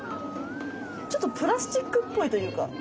ちょっとプラスチックっぽいというか。